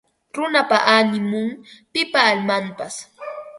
Runapa animun; pipa almanpas